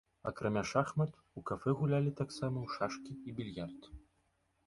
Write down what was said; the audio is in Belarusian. Акрамя шахмат у кафэ гулялі таксама ў шашкі і більярд.